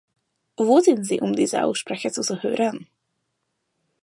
Wo sind sie, um dieser Aussprache zuzuhören?